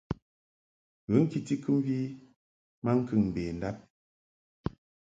Ghə ŋkiti kɨmvi maŋkəŋ mbendab.